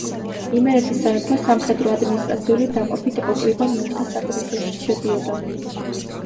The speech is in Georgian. იმერეთის სამეფოს სამხედრო–ადმინისტრაციული დაყოფით ოკრიბა მეოთხე სადროშოში შედიოდა.